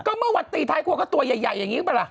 ก็เมื่อวันตีท้ายครัวก็ตัวใหญ่อย่างนี้ป่ะล่ะ